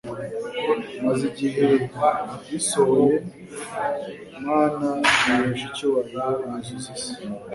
Maze ibihe bisohoye Imana yihesha icyubahiro yuzuza isi